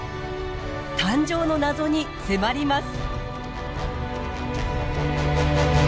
誕生の謎に迫ります。